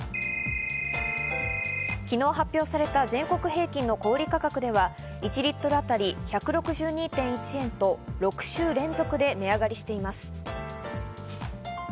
昨日発表された全国平均の小売価格では１リットル当たり１６２．１円と、６週連続で値上がりしています。